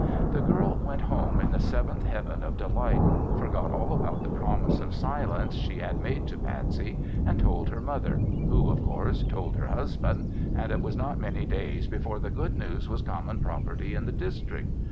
The girl went home in the seventh heaven of delight, forgot all about the promises of silence she had made to Patsey, and told her mother, who, of course, told her husband, and it was not many days before the good news was common property in the district.